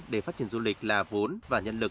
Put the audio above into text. để phát triển du lịch là vốn và nhân lực